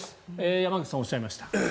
山口さん、おっしゃいました。